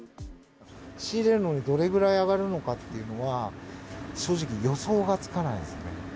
仕入れるのにどれぐらい上がるのかっていうのは、正直、予想がつかないですね。